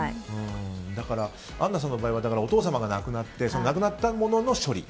だからアンナさんの場合はお父様が亡くなって亡くなったものの処理。